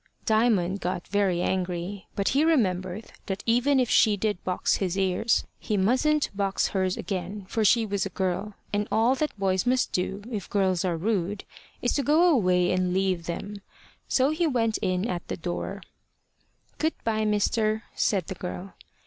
Diamond got very angry. But he remembered that even if she did box his ears, he musn't box hers again, for she was a girl, and all that boys must do, if girls are rude, is to go away and leave them. So he went in at the door. "Good bye, mister" said the girl.